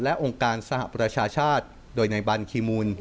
และองค์การสหประชาชาติโดยนายบันธุ์ฮีมูล